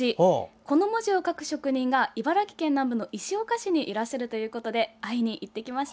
この文字を書く職人が茨城県南部の石岡市にいらっしゃるということで会いに行ってきました。